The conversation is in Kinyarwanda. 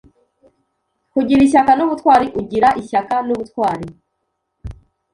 Kugira ishyaka n’ubutwari u gira is h ya ka n’u b utwari